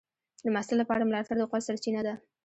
د محصل لپاره ملاتړ د قوت سرچینه ده.